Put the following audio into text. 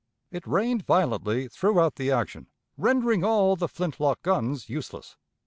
It rained violently throughout the action, rendering all the flint lock guns useless.